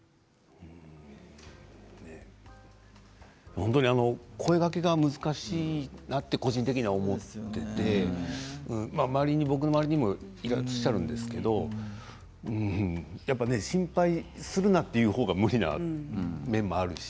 本当に声がけが難しいなと個人的には思っていて僕の周りにもいらっしゃるんですけどうーん心配するなという方が無理な面もあるし。